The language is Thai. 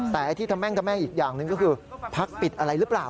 แต่ที่ทำแม่งอีกอย่างหนึ่งก็คือพรรคปิดอะไรหรือเปล่า